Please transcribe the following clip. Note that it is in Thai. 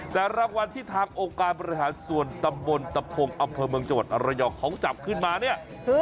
แต่รางวัลที่ทางองค์การบริหารส่วนตำบลตะพงอำเภอเมืองจังหวัดอรยองเขาจับขึ้นมาเนี่ย